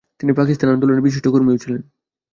তিনি পাকিস্তান আন্দোলনের বিশিষ্ট কর্মীও ছিলেন।